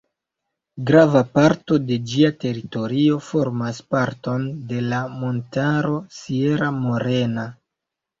Grava parto de ĝia teritorio formas parton de la montaro Sierra Morena.